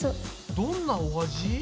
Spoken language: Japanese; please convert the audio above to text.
どんなお味？